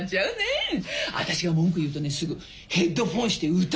私が文句言うとねすぐヘッドホンして歌歌うんだわ。